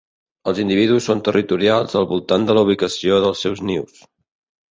Els individus són territorials al voltant de la ubicació dels seus nius.